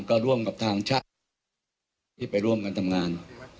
ก็ร่วมกับทางชาติที่ไปร่วมกันทำงาน